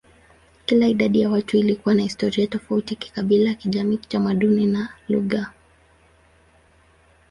Kila idadi ya watu ilikuwa na historia tofauti kikabila, kijamii, kitamaduni, na lugha.